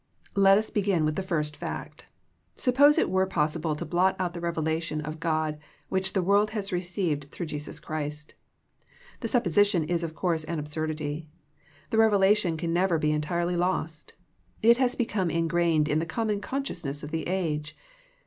Let us begin with the first fact. Sup pose it were possible to blot out the revelation of God which the word has received through Jesus Christ. The supposition is of course an absurdity. The revelation can never be entirely lost. It has become ingrained in the common consciousness of the age.